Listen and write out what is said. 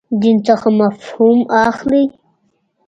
دین څخه مفهوم اخلئ.